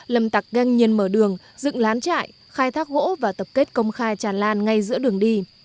lâm tặc ngang nhiên mở đường dựng lán trại khai thác gỗ và tập kết công khai tràn lan ngay giữa đường đi